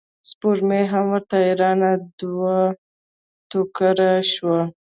سپوږمۍ هم ورته حیرانه دوه توکړې شوه.